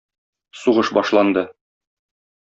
Сугыш башланды.